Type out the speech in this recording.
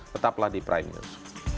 tetaplah di prime news